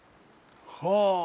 はあ。